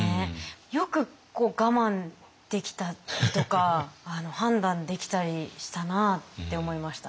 よく我慢できたりとか判断できたりしたなって思いました。